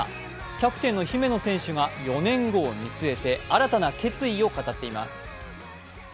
キャプテンの姫野選手が４年を見据えて新たな決意を語っています。